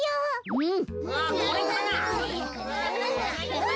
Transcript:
うん！